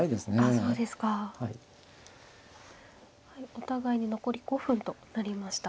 お互いに残り５分となりました。